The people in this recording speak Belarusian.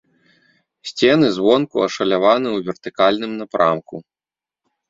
Сцены звонку ашаляваны ў вертыкальным напрамку.